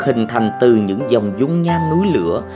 hình thành từ những dòng dung nhan núi lửa